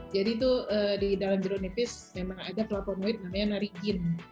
jadi tuh di dalam jeruk nipis memang ada keloponoid namanya narigin